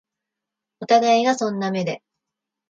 お互いがそんな目で